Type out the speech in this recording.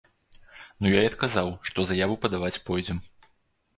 Ну я і адказаў, што заяву падаваць пойдзем.